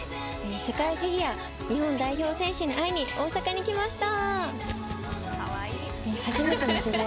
世界フィギュア日本代表選手に会いに大阪に来ました。